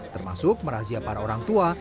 termasuk merazia para orang tua